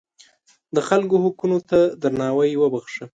د خلکو حقونو ته درناوی وښیه.